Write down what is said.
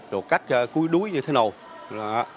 rồi cách cuối đuối như thế nào